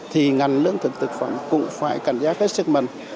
thì ngành lưỡng thực thực phẩm cũng phải cảnh giác hết sức mạnh